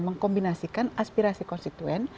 mengkombinasikan aspirasi konstituen